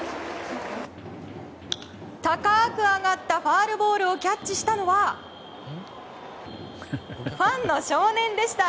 高く上がったファウルボールをキャッチしたのはファンの少年でした。